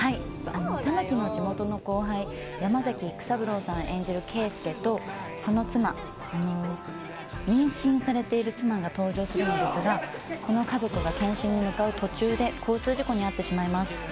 たまきの地元の後輩山崎育三郎さん演じる圭介とその妻、妊娠されている妻が登場するんですがこの家族が検診に向かう途中で交通事故に遭ってしまいます。